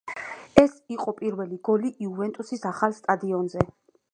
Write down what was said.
ეს იყო პირველი გოლი „იუვენტუსის“ ახალ სტადიონზე.